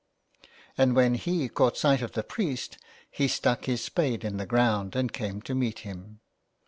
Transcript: And when he caught sight of the priest he stuck his spade in the ground and came to meet him.